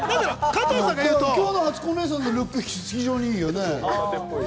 今日のあつこお姉さんのルック、非常にいいよね。